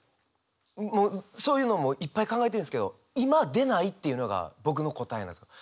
もうそういうのもいっぱい考えてるんですけど今出ないっていうのが僕の答えなんですよ。